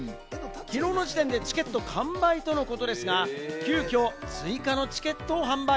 きのうの時点でチケット完売とのことですが、急きょ追加のチケットを販売。